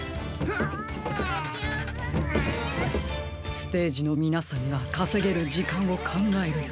ステージのみなさんがかせげるじかんをかんがえると。